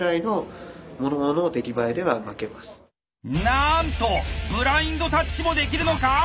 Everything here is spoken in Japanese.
なんとブラインドタッチもできるのか？